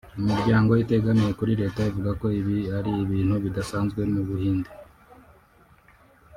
Imiryango itegamiye kuri leta ivuga ko ibi ari ibintu bidasanzwe mu Buhinde